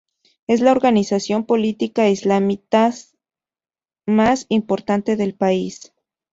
Es la organización política islamista más importante del país.